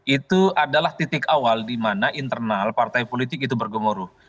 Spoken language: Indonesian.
itu adalah titik awal di mana internal partai politik itu bergemuruh